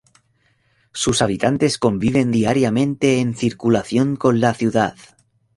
Sus habitantes conviven diariamente en circulación con la ciudad.